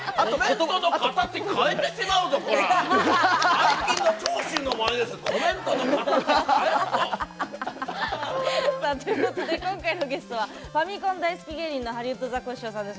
顔の形変えてしまうぞ、こら！ということで今回のゲストはファミコン大好き芸人のハリウッドザコシショウさんです。